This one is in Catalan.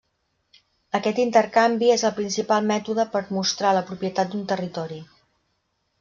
Aquest intercanvi és el principal mètode per mostrar la propietat d'un territori.